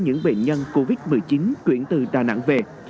những bệnh nhân covid một mươi chín chuyển từ đà nẵng về